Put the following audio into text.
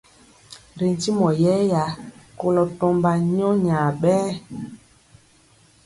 Ri ntimɔ yɛya koló tɔmba nyɔ nya bɛɛ.